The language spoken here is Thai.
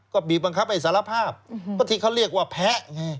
ก็บีบบังคับให้สารภาพก็ที่เขาเรียกว่าแพ้ไง